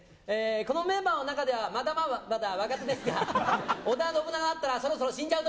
このメンバーの中ではまだまだ若手ですが織田信長だったらそろそろ死んじゃう年です。